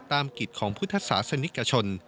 กิจของพุทธศาสนิกชน